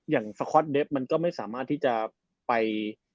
อย่างสคอตเดฟมันก็ไม่สามารถที่จะไป